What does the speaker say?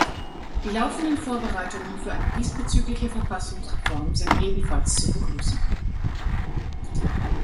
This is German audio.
Die laufenden Vorbereitungen für eine diesbezügliche Verfassungsreform sind ebenfalls zu begrüßen.